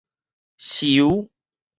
泅